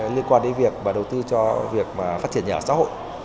liên quan đến việc và đầu tư cho việc phát triển nhà ở xã hội